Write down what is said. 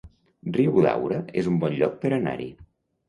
Riudaura es un bon lloc per anar-hi